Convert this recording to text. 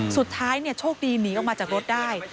สุดท้ายโชคดีหนีออกมาจากรถได้